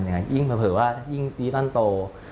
เพราะเผื่อว่ายิ่งดีตอนโต